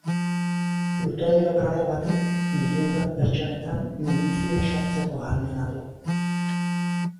Plutonio gramo batek milioi bat pertsonetan minbizia sortzeko ahalmena du.